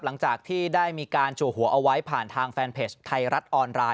หลังจากที่ได้มีการจัวหัวเอาไว้ผ่านทางแฟนเพจไทยรัฐออนไลน